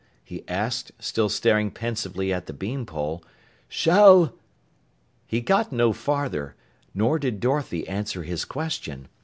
he asked, still staring pensively at the bean pole. "Shall ?" He got no farther, nor did Dorothy answer his question.